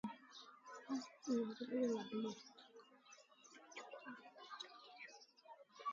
جيڪڏهيݩ ڏُڪآر ٿئي دو۔